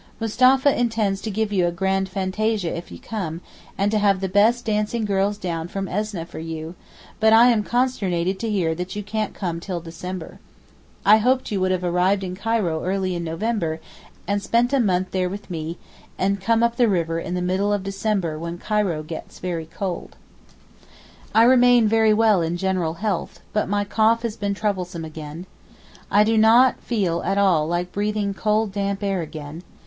Mustapha intends to give you a grand fantasia if you come, and to have the best dancing girls down from Esneh for you; but I am consternated to hear that you can't come till December. I hoped you would have arrived in Cairo early in November, and spent a month there with me, and come up the river in the middle of December when Cairo gets very cold. I remain very well in general health, but my cough has been troublesome again. I do not feel at all like breathing cold damp air again.